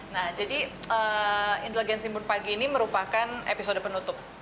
nah jadi intelijensi mbun pagi ini merupakan episode penutup